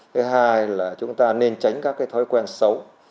thứ hai là chúng ta nên tránh các cái thói quen xấu